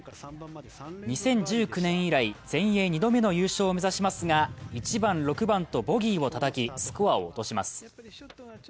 ２０１９年以来、全英２度目の優勝を目指しますが、１番、６番とボギーをたたきスコアを落とします。